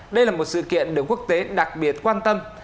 đây là một sự kiện được quốc tế đặc biệt quan tâm